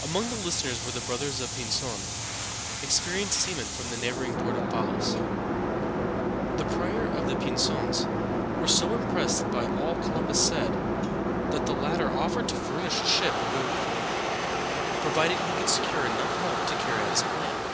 Among the listeners were the brothers Pinzon (peen thōn´), experienced seamen from the neighboring port of Palos (pah´lōs). The prior and the Pinzons were so impressed by all Columbus said that the latter offered to furnish a ship and go with him, provided he could secure enough help to carry out his plan.